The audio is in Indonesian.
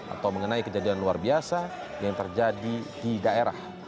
atau mengenai kejadian luar biasa yang terjadi di daerah